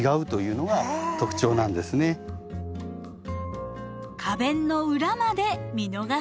花弁の裏まで見逃せません。